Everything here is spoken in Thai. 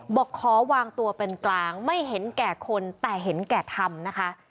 บอกขอวางตัวเป็นกลางไม่เห็นแก่คนแต่เห็นแก่ธรรมนะคะ